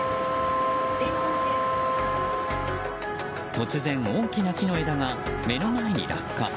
突然、大きな木の枝が目の前に落下。